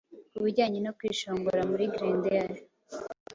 Kubijyanye no kwishongora kuri Grendel